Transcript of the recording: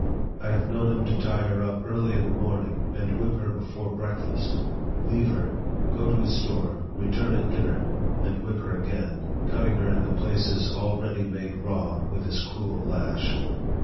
1 have known him to tie her up early in the morn ing, and whip her before breakfast; leave her, go to his store, return at dinner, and whip her again, cutting her in the places already made raw with his cruel lash.